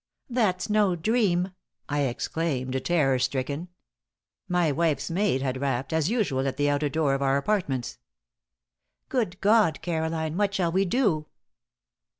"That's no dream!" I exclaimed, terror stricken. My wife's maid had rapped, as usual at the outer door of our apartments. "Good God, Caroline, what shall we do?"